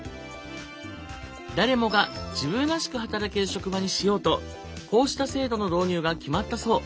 誰もが自分らしく働ける職場にしようとこうした制度の導入が決まったそう。